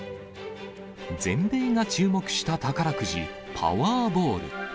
全米が注目した宝くじ、パワーボール。